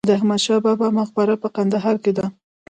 د احمد شاه بابا مقبره په کندهار کې ده